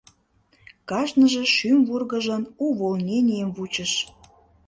Кажныже шӱм вургыжын увольненийым вучыш.